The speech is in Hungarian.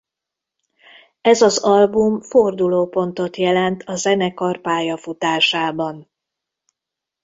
Ez az album fordulópontot jelent a zenekar pályafutásában.